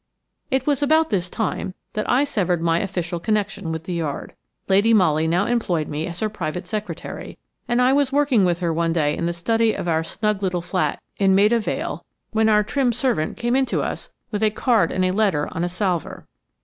It was about this time that I severed my official connection with the Yard. Lady Molly now employed me as her private secretary, and I was working with her one day in the study of our snug little flat in Maida Vale, when our trim servant came in to us with a card and a letter on a salver.